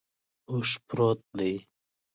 اوښ پروت دے